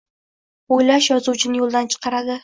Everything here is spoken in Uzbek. O’ylash yozuvchini yo’ldan chiqaradi.